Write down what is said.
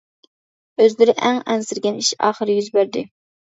ئۆزلىرى ئەڭ ئەنسىرىگەن ئىش ئاخىرى يۈز بەردى.